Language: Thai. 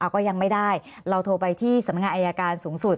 ก็ยังไม่ได้เราโทรไปที่สำนักงานอายการสูงสุด